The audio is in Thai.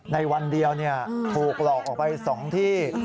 ในวันเดียวถูกหลอกออกไป๒ที่